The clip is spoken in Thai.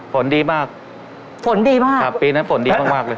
ฝนดีมากฝนดีมากครับปีนั้นฝนดีมากมากเลย